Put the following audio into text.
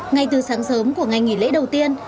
ngay từ sáng sớm của ngày nghỉ lễ đầu tiên